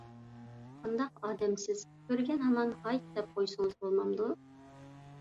قانداق ئادەمسىز، كۆرگەن ھامان ھايت دەپ قويسىڭىز بولمامدۇ؟